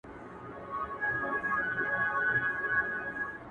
• روڼي سترګي کرۍ شپه په شان د غله وي,